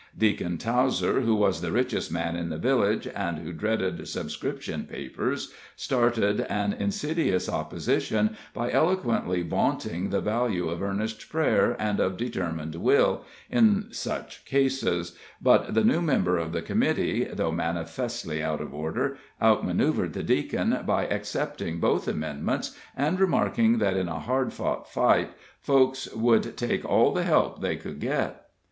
Deacon Towser, who was the richest man in the village, and who dreaded subscription papers, started an insidious opposition by eloquently vaunting the value of earnest prayer and of determined will, in such cases, but the new member of the committee (though manifestly out of order) outmanoeuvred the Deacon by accepting both amendments, and remarking that in a hard fight folks would take all the help they could get.